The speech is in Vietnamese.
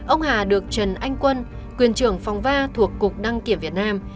ông hà được trần anh quân quyền trưởng phòng ba thuộc cục đăng kiểm việt nam